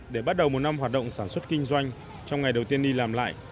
để bắt đầu một năm hoạt động sản xuất kinh doanh trong ngày đầu tiên đi làm lại